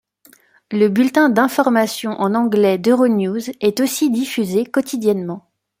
Le bulletin d'informations en anglais d'EuroNews est aussi diffusé quotidiennement.